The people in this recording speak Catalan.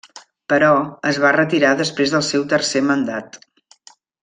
Però, es va retirar després del seu tercer mandat.